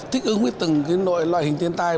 thích ứng với từng loại hình thiên tai